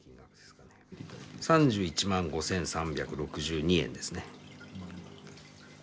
３１万５，３６２円ですね。